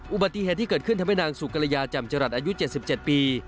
อุบัติเหตุที่เกิดขึ้นทำให้นางสุกรยาจำจรัสอายุ๗๗ปี